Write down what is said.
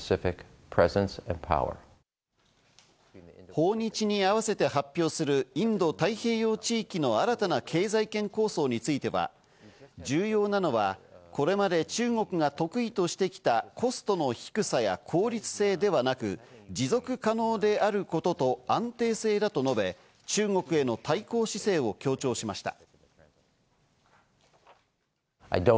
訪日に合わせて発表するインド太平洋地域の新たな経済圏構想については、重要なのはこれまで中国が得意としてきたコストの低さや効率性ではなく、持続可能であることと安定性だと述べ、中国への対抗姿勢を強調しました。